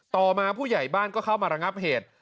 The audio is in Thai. ต่อมาผู้ใหญ่บ้านก็เข้ามาระงับเหตุ